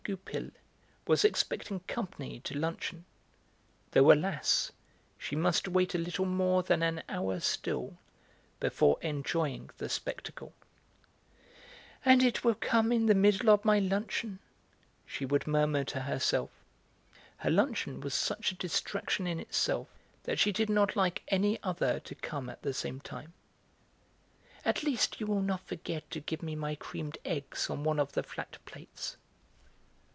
Goupil was expecting company to luncheon, though, alas, she must wait a little more than an hour still before enjoying the spectacle. "And it will come in the middle of my luncheon!" she would murmur to herself. Her luncheon was such a distraction in itself that she did not like any other to come at the same time. "At least, you will not forget to give me my creamed eggs on one of the flat plates?"